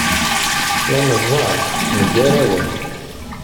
La neẓẓad, neggar awren.